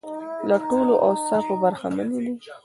له ټولو اوصافو برخمنې دي.